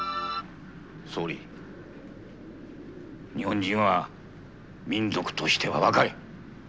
総理日本人は民族としては若い。